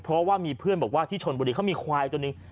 เพราะว่ามีเพื่อนบอกว่าที่ชนบุรีเขามีควายตัวหนึ่ง